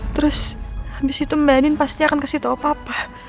terus habis itu mbak nenek pasti akan kasih tau papa